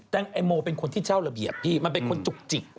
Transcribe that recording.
แต่ไอ้โมเป็นคนที่เจ้าระเบียบพี่มันเป็นคนจุกจิก